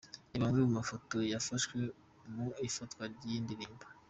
Reba amwe mu mafoto yafashwe mu ifatwa ry’iyi ndirimbo.